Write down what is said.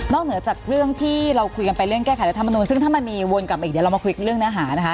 เหนือจากเรื่องที่เราคุยกันไปเรื่องแก้ไขรัฐมนุนซึ่งถ้ามันมีวนกลับมาอีกเดี๋ยวเรามาคุยเรื่องเนื้อหานะคะ